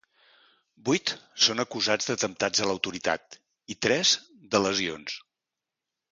Vuit són acusats d’atemptats a l’autoritat i tres de lesions.